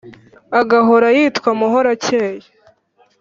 agahora yitwa muhorakeye